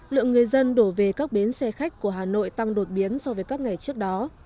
lượng người dân đổ về các bến xe khách của hà nội tăng đột biến so với các ngày trước đó